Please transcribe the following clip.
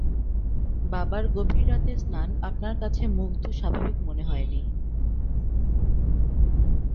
বাবার গভীর রাতে স্নান আপনার কাছে মুগ্ধ স্বাভাবিক মনে হয় নি।